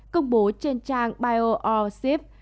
công bố trên trang biorcep